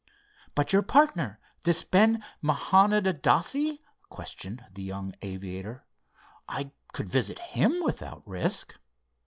"But your partner, this Ben Mahanond Adasse?" questioned the young aviator, "I could visit him without risk?"